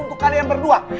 untuk kalian berdua